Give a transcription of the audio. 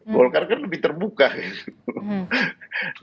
golkar kan lebih terbuka ya